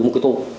một cái tù